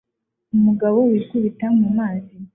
Umugabo wikubita mu mazi